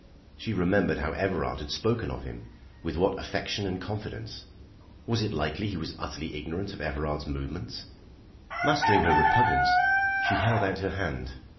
She remembered how Everard had spoken of him, with what affection and confidence! Was it likely he was utterly ignorant of Everard's movements? Mastering her repugnance, she held out her hand.